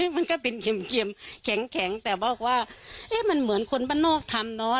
มันก็เป็นเข็มแข็งแต่บอกว่าเอ๊ะมันเหมือนคนบ้านนอกทำเนอะ